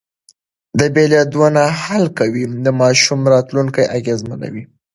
د بېلېدو نه حل کول د ماشوم راتلونکی اغېزمنوي.